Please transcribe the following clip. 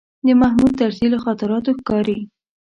د محمود طرزي له خاطراتو ښکاري.